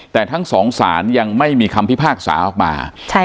แต่ทั้งสองศาลยังไม่มีคำพิพากษาออกมา